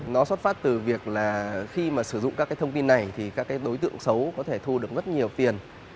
nó xuất phát từ việc là khi mà sử dụng các cái thông tin này thì các cái đối tượng xấu có thể thu được rất nhiều tiền